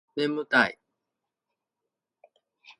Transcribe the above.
眠たい